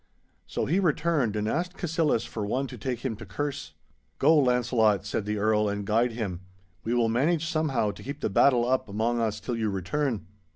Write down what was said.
So he returned and asked Cassillis for one to take him to Kerse. 'Go, Launcelot,' said the Earl,' and guide him. We will manage somehow to keep the battle up among us till you return.